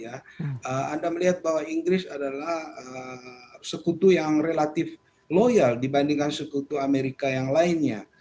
anda melihat bahwa inggris adalah sekutu yang relatif loyal dibandingkan sekutu amerika yang lainnya